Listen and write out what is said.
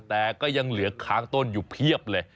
แต่ก็ยังเหลือค้างต้นอยู่เพียบเลย